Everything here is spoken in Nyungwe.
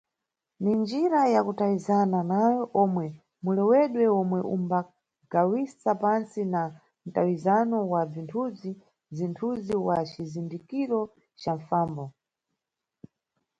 Ni njira ya kutawizana nayo yomwe mulewedwe omwe umbagawisa pantsi na mtawizano wa bzithunzi-zithuzi wa cizindikiro ca mfambo.